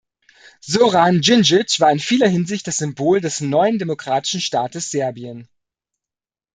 Zoran Dzindzic war in vieler Hinsicht das Symbol des neuen demokratischen Staates Serbien.